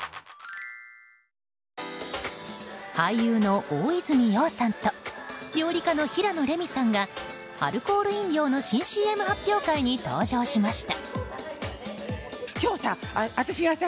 俳優の大泉洋さんと料理家の平野レミさんがアルコール飲料の新ＣＭ発表会に登場しました。